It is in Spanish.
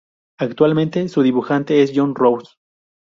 Actualmente su dibujante es John Rose.